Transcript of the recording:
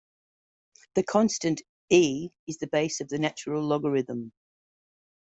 The constant "e" is the base of the natural logarithm.